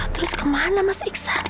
terus kemana mas iksan